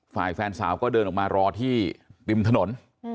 ฝ่ายแฟนสาวก็เดินออกมารอที่ริมถนน